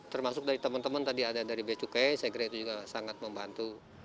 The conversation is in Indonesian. termasuk dari teman teman tadi ada dari becukai saya kira itu juga sangat membantu